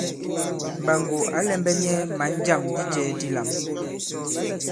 Mɓàŋgò ǎ lɛ̄mbɛ̄ nyɛ̄ mǎn jâm di jɛ̄ dilām.